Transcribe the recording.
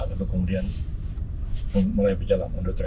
lalu kemudian mulai berjalan undut ya